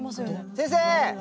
先生！